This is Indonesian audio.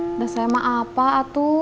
udah sama apa atu